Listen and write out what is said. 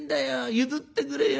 譲ってくれよ」。